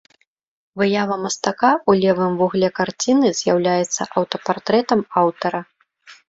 Выява мастака ў левым вугле карціны з'яўляецца аўтапартрэтам аўтара.